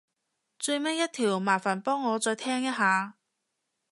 最尾一條麻煩幫我再聽一下